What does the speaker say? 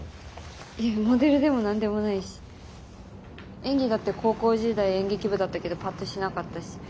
いやモデルでも何でもないし演技だって高校時代演劇部だったけどパッとしなかったし。